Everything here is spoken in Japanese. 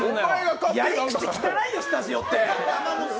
やりくち汚いよ、スタジオって。